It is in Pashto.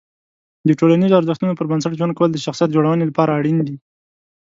د ټولنیزو ارزښتونو پر بنسټ ژوند کول د شخصیت جوړونې لپاره اړین دي.